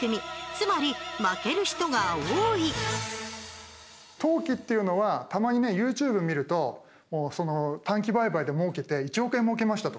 つまり負ける人が多い投機っていうのはたまにねＹｏｕＴｕｂｅ見ると短期売買でもうけて１億円もうけましたとかね